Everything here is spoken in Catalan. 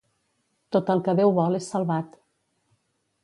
Tot el que Déu vol és salvat.